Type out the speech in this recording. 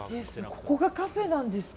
ここがカフェなんですか？